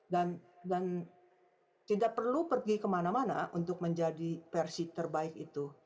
dan dan tidak perlu pergi kemana mana untuk menjadi versi terbaik itu